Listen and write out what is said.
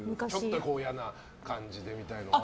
嫌な感じでみたいなのは。